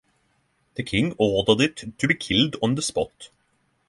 The king ordered it to be killed on the spot.